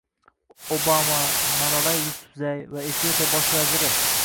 Obama, Malala Yusufzoy va Efiopiya bosh vaziri